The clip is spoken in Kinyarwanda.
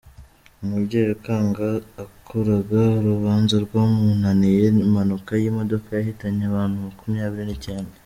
Umubyeyi ukwanga akuraga urubanza rwamunaniy Impanuka y’imodoka yahitanye abantu Makumyabiri Nicyenda